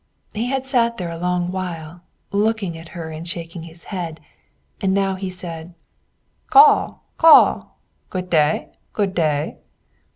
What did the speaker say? He had sat there a long while, looking at her and shaking his head; and now he said, "Caw! caw! Good day! good day!"